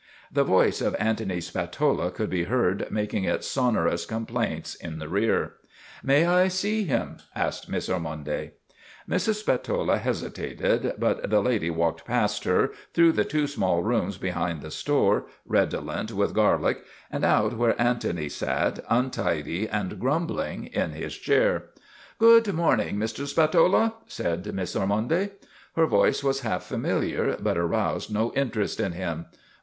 The voice of Antony Spatola could be heard mak ing its sonorous complaints in the rear. ' May I see him? " asked Miss Ormonde. Mrs. Spatola hesitated, but the lady walked past her, through the two small rooms behind the store, 90 MADNESS OF ANTONY SPATOLA redolent with garlic, and out where Antony sat, un tidy and grumbling, in his chair. " Good morning, Mr. Spatola," said Miss Or monde. Her voice was half familiar but aroused no inter est in him.